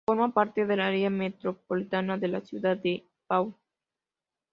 Forma parte del área metropolitana de la ciudad de Pau.